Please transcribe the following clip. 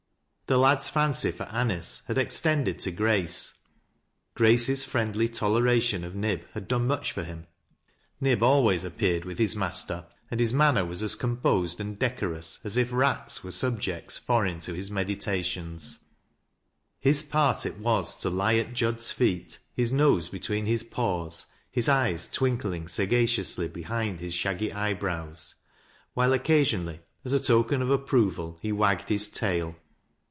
The lad's fancy for Anice had extended to Grace. Grace's friendly toleration ni Nib liad done much for him. Nib always appeared witli his master, and his manner was as composed and decsorous an if rats were subjects foreign to his meditations. Hif 158 THAT LASS 0' LOWBISPS. pari it was to He at Jud's feet, his nose betweeu his pawa his eyes twinkling sagaciously behind his shaggy eyebrows^ while occasionally, as a token of approval, he wagged hit tail.